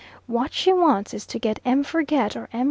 What she wants is to get M. Forget or M.